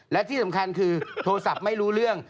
และที่สำคัญคือโทรศัพท์ไม่รู้เรื่อง